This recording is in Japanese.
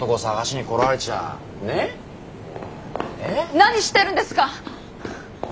何してるんですか！